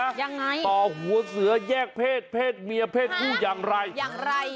ยังไงยังไงต่อหัวเสือแยกเพศเพศเมียเพศผู้อย่างไร